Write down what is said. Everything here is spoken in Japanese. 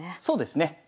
そうですね。